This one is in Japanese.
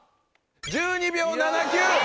１２秒７９！